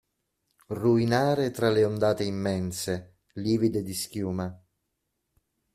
Ruinare tra le ondate immense, livide di schiuma!